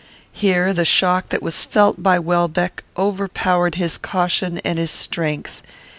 Here the shock that was felt by Welbeck overpowered his caution and his strength.